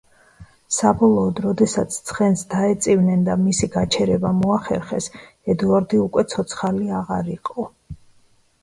საბოლოოდ, როდესაც ცხენს დაეწივნენ და მისი გაჩერება მოახერხეს, ედუარდი უკვე ცოცხალი აღარ იყო.